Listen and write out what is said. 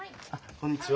こんにちは。